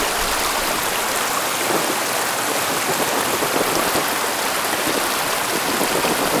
এটি সসীম কিংবা অসীম মাত্রার হতে পারে।